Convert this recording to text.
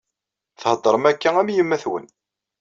Theddṛem akka am yemma-twen.